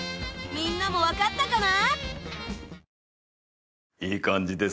みんなも分かったかな？